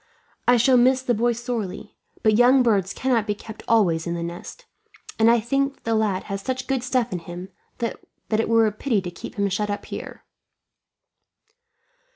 I shall miss the boy sorely; but young birds cannot be kept always in the nest, and I think that the lad has such good stuff in him that it were a pity to keep him shut up here."